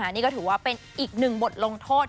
นี่ก็ถือว่าเป็นอีกหนึ่งบทลงโทษ